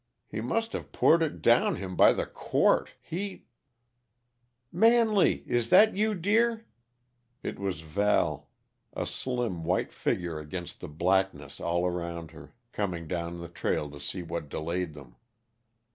He must of poured it down him by the quart. He " "Manley! Is that you, dear?" It was Val, a slim, white figure against the blackness all around her, coming down the trail to see what delayed them.